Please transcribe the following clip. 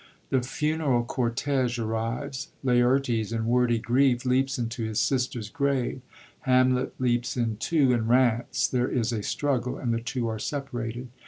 The funeral cortege arrives ; Laertes, in wordy grief, leaps into his sister's grave ; Hamlet leaps in too, and rants. There is a struggle, and the two are separated.